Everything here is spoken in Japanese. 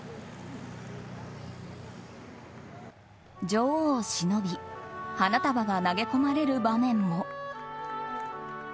女王をしのび花束が投げ込まれる場面も。